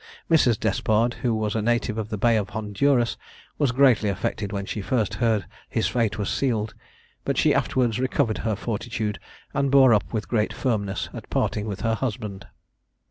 Mrs. Despard, who was a native of the Bay of Honduras, was greatly affected when she first heard his fate was sealed; but she afterwards recovered her fortitude, and bore up with great firmness at parting with her husband.